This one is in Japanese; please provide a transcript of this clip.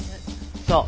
そう。